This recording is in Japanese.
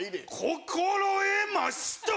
心得ました！